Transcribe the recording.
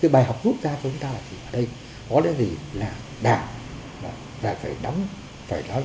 bài học nhãn tiền mà cả thế giới đã chứng kiến